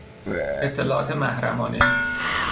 اطلاعات محرمانه